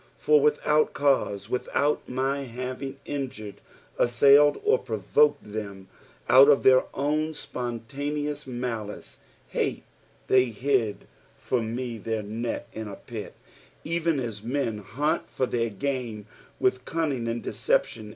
" For teithout eauae" — without my having injured, usiMiled, or provoked them ; out of their own spontaneous malice " Aaw (Acy Aid /(ir me their net in a pit," even as men hunt for their game with cunning und deception.